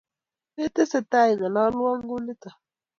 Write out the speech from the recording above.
metesetai ingololwo kunito